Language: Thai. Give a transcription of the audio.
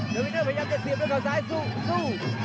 วิเดอร์พยายามจะเสียบด้วยเขาซ้ายสู้